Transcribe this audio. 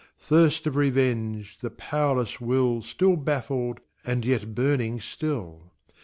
Thirst of revenge, the powerless will Still baffled, and yet burning still